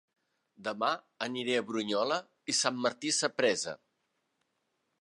Dema aniré a Brunyola i Sant Martí Sapresa